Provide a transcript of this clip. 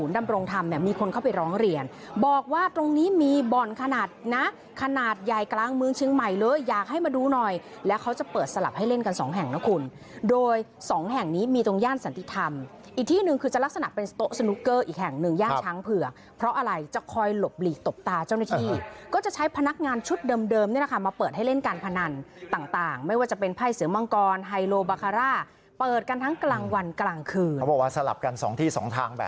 ดำรงธรรมมีคนเข้าไปร้องเรียนบอกว่าตรงนี้มีบ่อนขนาดนะขนาดใหญ่กลางเมืองเชียงใหม่เลยอยากให้มาดูหน่อยแล้วเขาจะเปิดสลับให้เล่นกันสองแห่งนะคุณโดยสองแห่งนี้มีตรงย่านสันติธรรมอีกที่หนึ่งคือจะลักษณะเป็นโต๊ะสนุกเกอร์อีกแห่งหนึ่งย่างช้างเผื่อเพราะอะไรจะคอยหลบหลีกตบตาเจ้าหน้าที่ก็